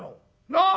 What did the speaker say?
なあ？